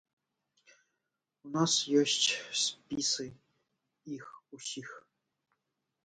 У нас ёсць спісы іх усіх.